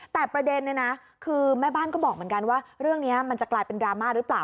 แต่ประเด็นเนี่ยนะคือแม่บ้านก็บอกเหมือนกันว่าเรื่องนี้มันจะกลายเป็นดราม่าหรือเปล่า